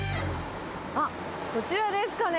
あっ、こちらですかね。